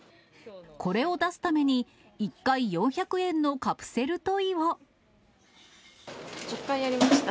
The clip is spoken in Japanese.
これを出すために、１回４００円１０回やりました。